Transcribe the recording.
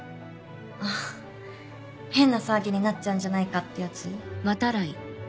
あっ変な騒ぎになっちゃうんじゃないかってやつ？